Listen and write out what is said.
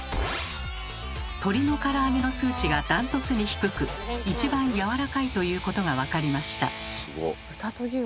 鶏のから揚げの数値が断トツに低く一番やわらかいということが分かりました。